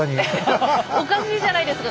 おかしいじゃないですか。